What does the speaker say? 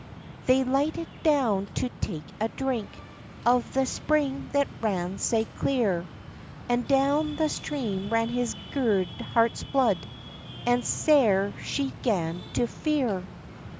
They lighted down to tak a drink Of the spring that ran sae clear: And down the stream ran his gude heart's blood, And sair she 'gan to fear.